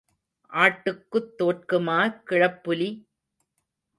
ஆட்டுக்குத் தோற்குமா கிழப்புலி?